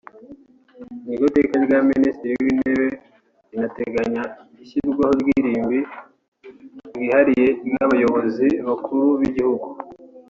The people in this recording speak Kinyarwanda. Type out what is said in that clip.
Iryo teka rya Minisitiri w’Intebe rinateganya ishyirwaho ry’irimbi ryihariye ry’Abayobozi bakuru b’igihugu